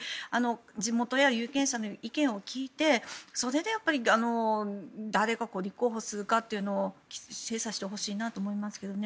地元や有権者の意見を聞いてそれで誰が立候補するかというのを精査してほしいなと思いますけどね。